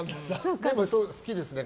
でも好きですね。